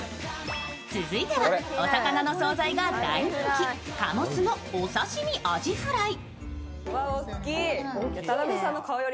続いてはお魚の惣菜が大人気、醸すのお刺身アジフライ。